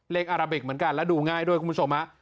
อาราบิกเหมือนกันและดูง่ายด้วยคุณผู้ชมฮะ